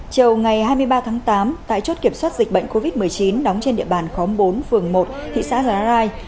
chiều ngày hai mươi ba tháng tám tại chốt kiểm soát dịch bệnh covid một mươi chín đóng trên địa bàn khóm bốn phường một thị xã giá rai